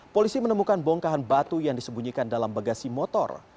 polisi menemukan bongkahan batu yang disembunyikan dalam bagasi motor